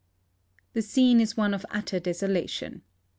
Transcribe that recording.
The scene is one of utter desolation.